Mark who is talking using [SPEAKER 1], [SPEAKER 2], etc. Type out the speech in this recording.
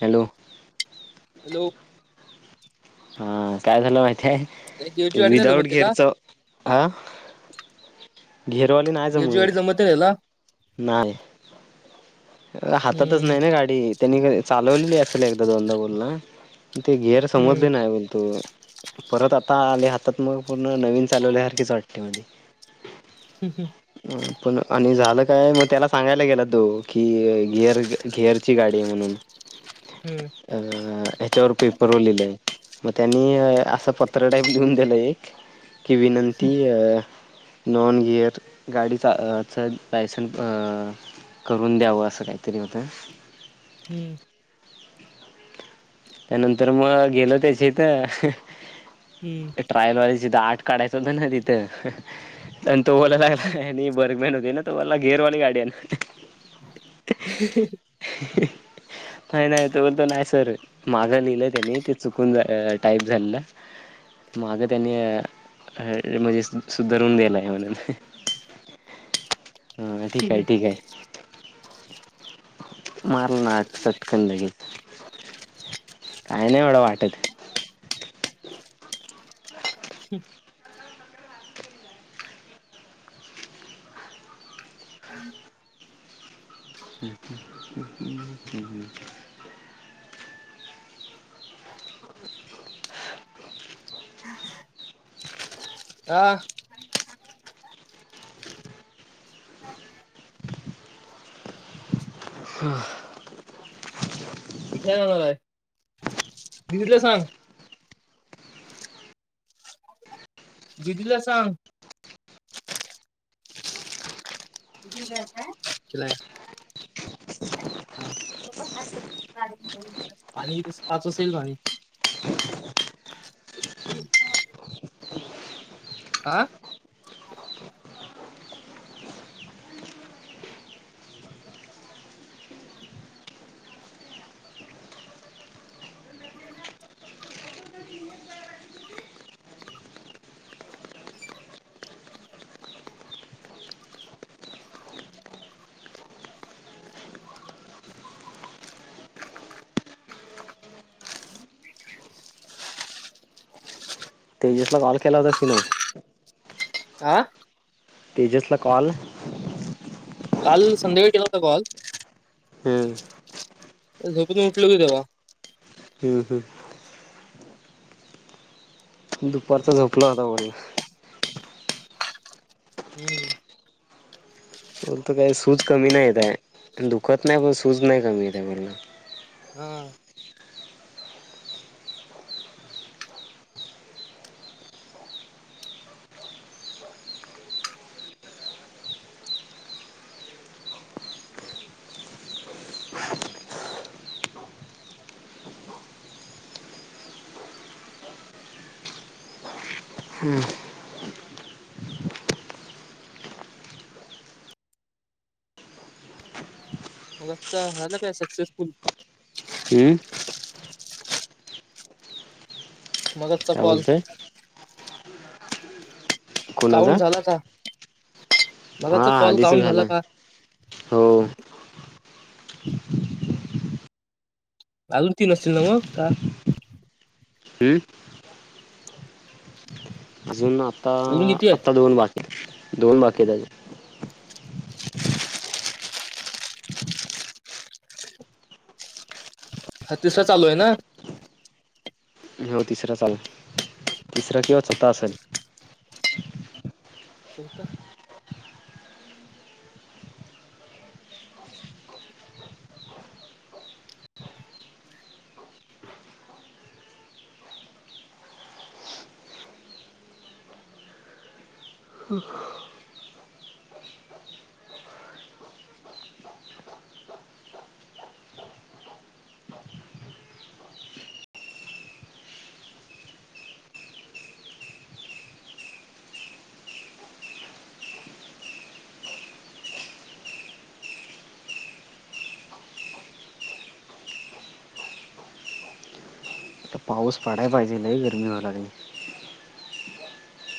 [SPEAKER 1] Hello.
[SPEAKER 2] Hello.
[SPEAKER 1] हा काय झालं मा ते
[SPEAKER 2] देवची गाडी नाही जमत
[SPEAKER 1] विदाउट
[SPEAKER 2] त्याला
[SPEAKER 1] गिअरचा हां
[SPEAKER 2] गेरची गाडी जमत नाही हीला?
[SPEAKER 1] नाही हातातच
[SPEAKER 2] हम्म
[SPEAKER 1] नाही ना गाडी त्यांनी चालवलेली असेल एकदा दोनदा ग [inaudible] ते गेर
[SPEAKER 2] हम्म
[SPEAKER 1] समजले नाही बोलतो. परत आता आले हातात मग पूर्ण नवीन चालवल्यासारखीच वाटते. अ पण आणि झा काय मग त्याला सांगायला गेला तो कि गेर गेअरची गाडी आहे म्हणून.
[SPEAKER 2] हम्म
[SPEAKER 1] अ याच्यावर पेपरवर लिहले. मग त्यांनी असं पत्र टाईप लिहून दिलं एक. की विनंती अ नॉन गिअर गाडी च चल लायसन अ करून द्यावं असं काहीतरी होतं.
[SPEAKER 2] हम्म.
[SPEAKER 1] त्यानंतर मग गेलो त्याच्या इथ
[SPEAKER 2] हम्म
[SPEAKER 1] ट्रयल वाइज जिथ आठ काढायचं होत ना तिथं तो बोला लागलाय आणि बर्गमॅन [unintelligible] गेर वाली गाडी आणला.
[SPEAKER 2] ह ह ह.
[SPEAKER 1] नाही नाही तो इथ नाही सर. मागं लिहिलं त्यानी ते चुकून टाईप झालंल मागं त्यानी म्हणजे सुधरून दिलंय म्हणून. ह ठीक आहे ठीक आहे. चिव चिव [inaudible] मारल नाठ सटकग काय नाही एवढं वाटत.
[SPEAKER 2] हम् हम
[SPEAKER 1] हम्म्म
[SPEAKER 2] आ हम् हा
[SPEAKER 1] हां
[SPEAKER 2] इथच दिदिला सांग. दिदीला सांग. ला हा पाणी पाच असेल पाणी आ
[SPEAKER 1] तेजसला कॉल केला होतास की नाही?
[SPEAKER 2] आह
[SPEAKER 1] तेजसला कॉल
[SPEAKER 2] काल संध्याकाळी केला होता. कॉल
[SPEAKER 1] हम्म
[SPEAKER 2] आता झोपेतन उठलो की तेवा
[SPEAKER 1] हम् हमं दुपारच झोपला होता बोलला.
[SPEAKER 2] म
[SPEAKER 1] बोलत काय सूज कमी नाही येत आहे. दुखत नाही पण सूज नाही कमी येत आहे बोलला.
[SPEAKER 2] हम्म मग आज झालं काय सक्सेसफुल
[SPEAKER 1] हम्म
[SPEAKER 2] मगातचा
[SPEAKER 1] काय
[SPEAKER 2] कॉल
[SPEAKER 1] बोलतोय कोना
[SPEAKER 2] काउंट
[SPEAKER 1] जान
[SPEAKER 2] झाला का
[SPEAKER 1] हा
[SPEAKER 2] मगाचा कॉल
[SPEAKER 1] दिस
[SPEAKER 2] काउंट
[SPEAKER 1] झाला
[SPEAKER 2] का
[SPEAKER 1] हो.
[SPEAKER 2] आजून तीन असतील ना मग का
[SPEAKER 1] हम्म अजून आता
[SPEAKER 2] अजून किती आहेत
[SPEAKER 1] आता दोन बाकी दोन बाकीे आहेत अजून
[SPEAKER 2] हा तिसर चालू आहे ना
[SPEAKER 1] हो तिसरा चालू आहे. तिसरा किवा चौथा असेल
[SPEAKER 2] झोपता
[SPEAKER 1] आता पाऊस पडायला पाहिजे लई गरमी व्हायला लागलीया.